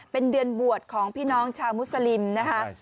เป็นเดือนบวชของพี่น้องชาวมุสลิมนะคะ